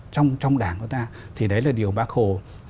trong đảng của ta thì đấy là điều bác hồ